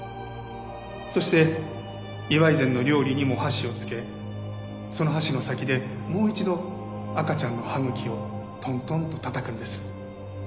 そして祝い膳の料理にも箸をつけその箸の先でもう一度赤ちゃんの歯茎をトントンとたたくんです。